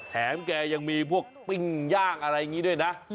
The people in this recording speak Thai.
แถมแกยังมีพวกปิ้งย่างอะไรอย่างนี้ด้วยนะ